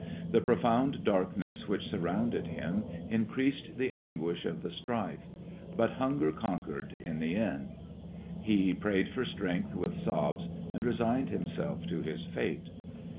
The profound darkness which surrounded him increased the anguish of the strife; but hunger conquered in the end. He prayed for strength with sobs, and resigned himself to his fate.